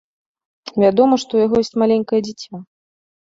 Вядома, што ў яго ёсць маленькае дзіця.